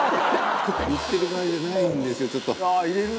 「言ってる場合じゃないんですよちょっと」「ああー入れる！」